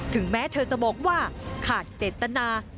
แม้เธอจะบอกว่าขาดเจตนา